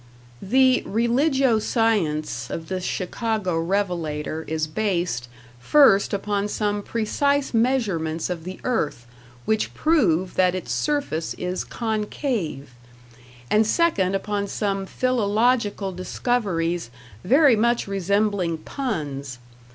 The "Religio science" of this Chicago revelator is based, first upon some precise measurements of the earth which prove that its surface is concave; and second upon some philological discoveries very much resembling puns.